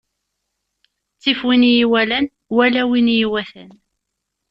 Ttif win i yi-iwalan wala win i yi-iwatan.